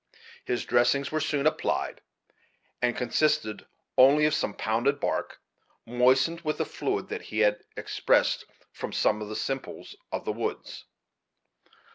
His dressings were soon applied, and consisted only of some pounded bark, moistened with a fluid that he had expressed from some of the simples of the woods.